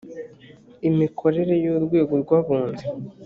imikorere y urwego rw abunzi